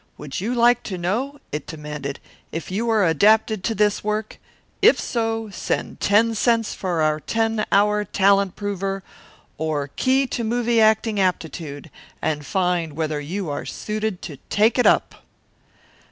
Would you like to know," it demanded, "if you are adapted to this work? If so, send ten cents for our Ten Hour Talent Prover, or Key to Movie Acting Aptitude, and find whether you are suited to take it up."